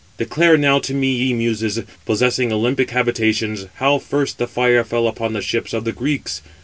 Declare now to me, ye Muses, possessing Olympic habitations, how first the fire fell upon the ships of the Greeks!